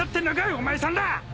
お前さんら！